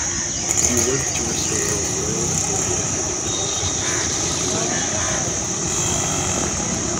He worked to restore royal authority after the Gong He interregnum.